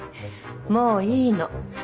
もういいの。